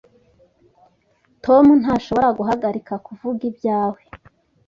Tom ntashobora guhagarika kuvuga ibyawe.